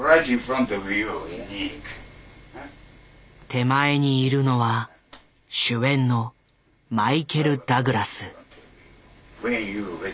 手前にいるのは主演のマイケル・ダグラス。